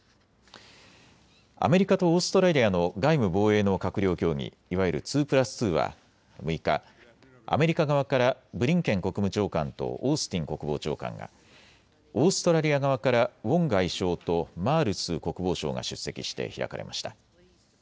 アメリカとオーストラリアの外務・防衛の閣僚協議、いわゆる２プラス２は６日、アメリカ側からブリンケン国務長官とオースティン国防長官が、オーストラリア側からウォン外相とマールス国防相が出席して開かれました。